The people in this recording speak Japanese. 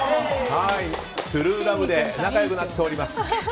トゥルーラブで仲良くなっております。